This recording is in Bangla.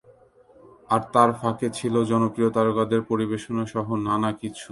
আর তার ফাঁকে ছিল জনপ্রিয় তারকাদের পরিবেশনাসহ নানা কিছু।